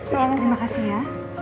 terima kasih ya